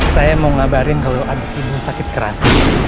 saya mau ngabarin kalau abis ini sakit keras